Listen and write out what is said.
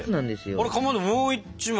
あれかまどもう１枚。